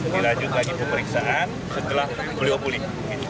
dilanjut lagi pemeriksaan setelah beliau pulih